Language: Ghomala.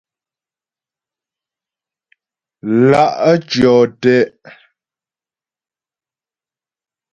Lá' tyɔ́ te'.